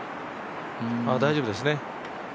大丈夫ですね。